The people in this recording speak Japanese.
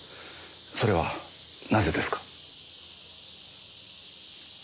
それはなぜですか？